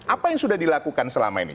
apa yang sudah dilakukan selama ini